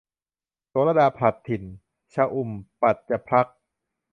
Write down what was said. โศรดาพลัดถิ่น - ชอุ่ม ปํญจพรรค์